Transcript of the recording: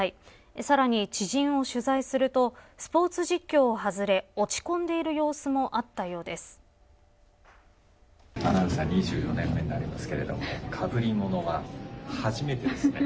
さらに、知人を取材するとスポーツ実況を外れ落ち込んでいる様子もあったようです。